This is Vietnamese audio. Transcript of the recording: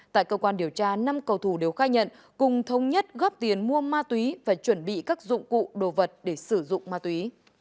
tại cơ quan điều tra năm cầu thủ đều khai nhận cùng thông nhất góp tiền mua ma túy và chuẩn bị các dụng cụ đồ vật để sử dụng ma túy